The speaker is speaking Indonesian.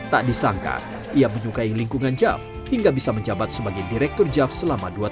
tak disangka ia menyukai lingkungan jav hingga bisa menjabat sebagai direktur jav selama dua tahun